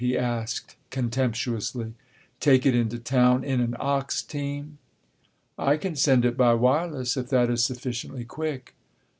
he asked contemptuously, "take it into town in an ox team?" "I can send it by wireless, if that is sufficiently quick."